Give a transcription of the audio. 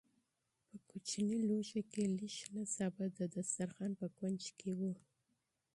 په کوچني لوښي کې لږ شنه سابه د دسترخوان په کونج کې وو.